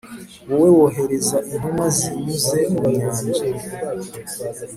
wowe wohereza intumwa zinyuze mu nyanja,